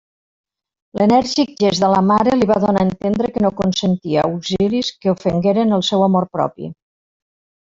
L'enèrgic gest de la mare li va donar a entendre que no consentia auxilis que ofengueren el seu amor propi.